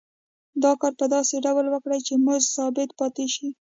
دا کار په داسې ډول وکړي چې مزد ثابت پاتې شي